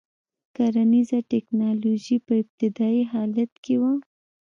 کرنیزه ټکنالوژي په ابتدايي حالت کې وه.